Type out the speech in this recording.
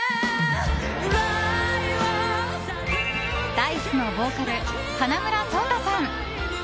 Ｄａ‐ｉＣＥのボーカル花村想太さん。